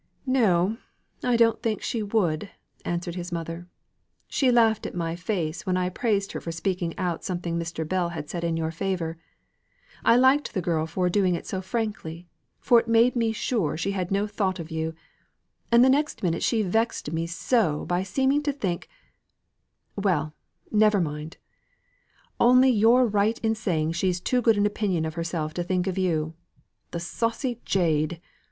"No, I don't think she would," answered his mother. "She laughed in my face, when I praised her for speaking out something Mr. Bell had said in your favour. I liked the girl for doing so frankly, for it made me sure she had no thought of you; and the next minute she vexed me so by seeming to think Well, never mind! Only you're right in saying she's too good an opinion of herself to think of you! The saucy jade!